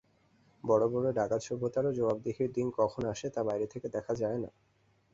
বড়ো বড়ো ডাকাত-সভ্যতারও জবাবদিহির দিন কখন আসে তা বাইরে থেকে দেখা যায় না।